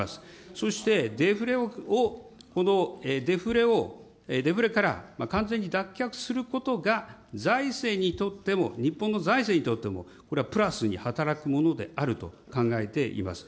そして、デフレをデフレを、デフレから完全に脱却することが財政にとっても、日本の財政にとっても、これはプラスに働くものであると考えています。